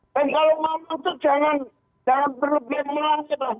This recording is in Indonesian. dan kalau mau masuk jangan berlebihan melangkah